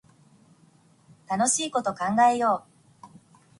楽しいこと考えよう